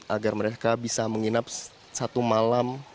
agar mereka bisa menginap satu malam